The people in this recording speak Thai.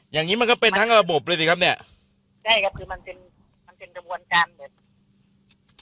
อย่างงี้มันก็เป็นทั้งระบบเลยสิครับเนี่ยใช่ครับคือมันเป็นมันเป็นกระบวนการหมด